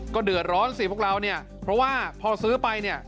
ก็เดือดร้อนสิพวกเราเนี่ยเพราะว่าพอซื้อไปเนี่ย